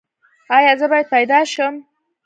ایا زه باید پیدا شم؟